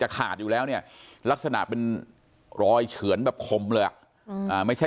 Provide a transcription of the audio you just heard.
ขาดอยู่แล้วเนี่ยลักษณะเป็นรอยเฉือนแบบคมเลยอ่ะไม่ใช่